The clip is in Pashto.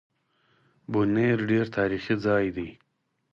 بونېر ډېر تاريخي ځای دی